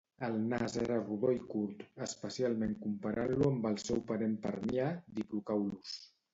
El nas era rodó i curt, especialment comparant-lo amb el seu parent permià, "Diplocaulus".